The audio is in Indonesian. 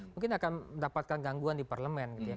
mungkin akan mendapatkan gangguan di parlemen